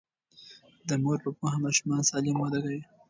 د مور په پوهه ماشومان سالم وده کوي.